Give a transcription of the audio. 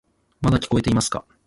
まだ聞こえていますか？